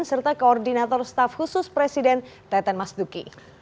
serta koordinator staf khusus presiden teten mas duki